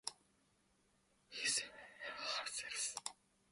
Maccabi Haifa